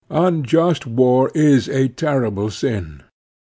Unjust war is a terrible sin.